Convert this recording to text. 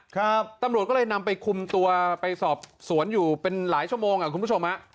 ครับตำรวจก็เลยนำไปคุมตัวไปสอบสวนอยู่เป็นหลายชั่วโมงอ่ะคุณผู้ชมฮะ